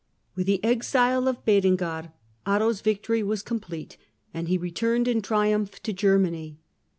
With tlie exile of Berengar, Otto's victory was complete, and he returned in triumph to Germany.